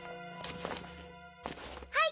はい！